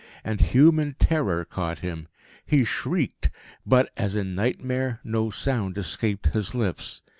And human terror caught him. He shrieked. But, as in nightmare, no sound escaped his lips.